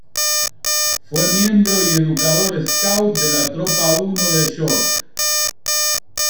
Fue miembro y educador scout de la "Tropa I de York".